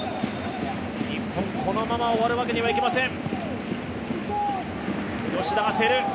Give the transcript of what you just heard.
日本、このまま終わるわけにはいきません。